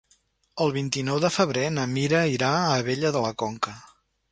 El vint-i-nou de febrer na Mira irà a Abella de la Conca.